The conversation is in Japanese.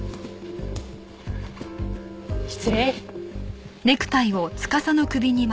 失礼。